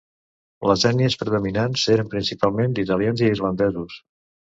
Les ètnies predominants eren principalment d'italians i irlandesos.